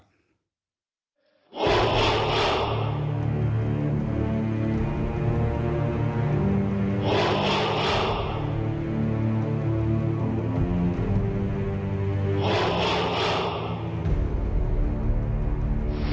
ขอบคุณครับ